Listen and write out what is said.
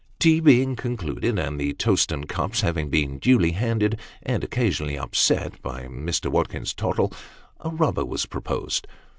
Tea being concluded, and the toast and cups having been duly handed, and occasionally upset, by Mr. Watkins Tottle, a rubber was proposed.